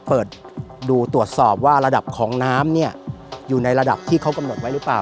เปิดดูตรวจสอบว่าระดับของน้ำเนี่ยอยู่ในระดับที่เขากำหนดไว้หรือเปล่า